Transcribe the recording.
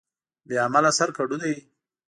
بې عمله سر کډو دى.